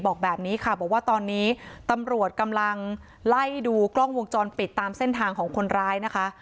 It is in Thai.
บอกแบบนี้ค่ะบอกว่าตอนนี้ตำรวจกำลังไล่ดูกล้องวงจรปิดตามเส้นทางของคนร้ายนะคะ